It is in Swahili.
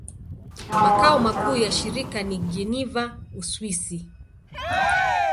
Makao makuu ya shirika ni Geneva, Uswisi.